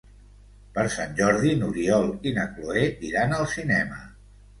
Per Sant Jordi n'Oriol i na Cloè iran al cinema.